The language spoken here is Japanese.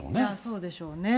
そうでしょうね。